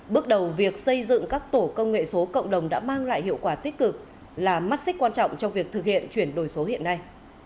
bước đầu việc xây dựng các tổ công nghệ số cộng đồng đã mang lại hiệu quả tích cực là mắt xích quan trọng trong việc thực hiện chuyển đổi số hiện nay